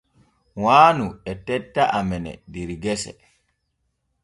Waanu e tetta amene der gese.